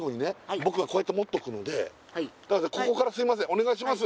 僕がこうやって持っとくのでここからすいませんお願いします